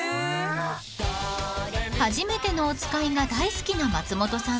［『はじめてのおつかい』が大好きな松本さん］